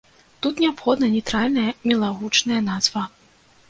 Тут неабходна нейтральная мілагучная назва.